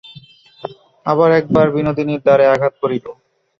আবার একবার বিনোদিনীর দ্বারে আঘাত পড়িল।